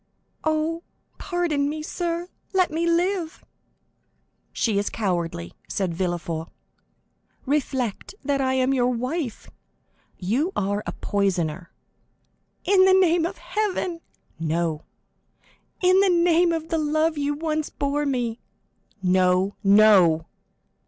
'" 50170m "Oh, pardon me, sir; let me live!" "She is cowardly," said Villefort. "Reflect that I am your wife!" "You are a poisoner." "In the name of Heaven!" "No!" "In the name of the love you once bore me!" "No, no!"